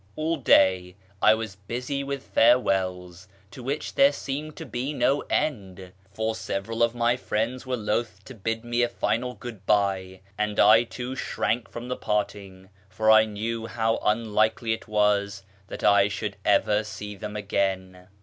All day I was busy with farewells, to which there seemed to be no end, for several of my friends were loth to bid me a final good bye, and I too shrank from the parting, for I knew how unlikely it was that I should ever see them again.